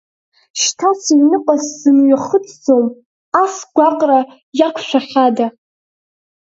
Шьҭа сыҩныҟа сзымҩахыҵӡом, ас агәаҟра иақәшәахьада?